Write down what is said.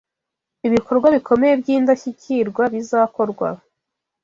Ibikorwa bikomeye by’indashyikirwa bizakorwa